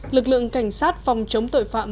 lực lượng cảnh sát phòng chống tội phạm